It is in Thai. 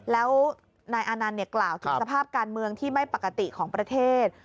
แล้วนายอานันต์กล่าวถึงสภาพการเมืองที่ไม่ปกติของประเทศ